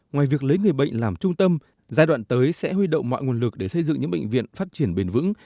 ngoài việc lấy người bệnh làm trung tâm giai đoạn tới sẽ huy động mọi nguồn lực để xây dựng những bệnh viện phát triển bền vững